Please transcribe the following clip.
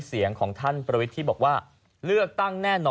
เสียงของท่านประวิทย์ที่บอกว่า